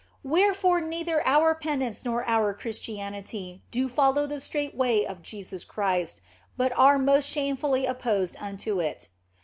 Wherefore neither our penance OF FOLIGNO 65 nor our Christianity do follow the straight way of Jesus Christ, but are most shamefully opposed unto it.